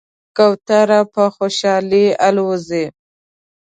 کوتره په خوشحالۍ الوزي.